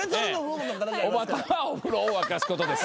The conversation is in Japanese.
おばたはお風呂を沸かすことです。